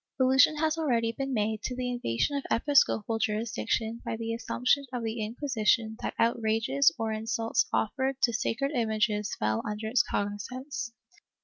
Allusion has already been made to the invasion of episcopal jurisdiction by the assumption of the Inquisition that outrages or insults offered to sacred images fell under its cognizance.